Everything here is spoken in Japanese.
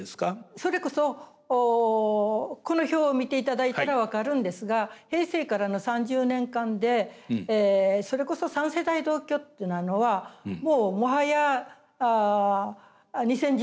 それこそこの表を見ていただいたら分かるんですが平成からの３０年間でそれこそ三世代同居っていうのはもうもはや２０１９年では１割を切ってます。